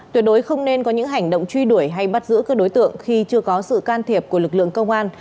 tuyệt đối không nên có những hành động truy đuổi hay bắt giữ các đối tượng khi chưa có sự can thiệp của lực lượng công an